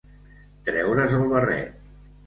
Treure's el barret.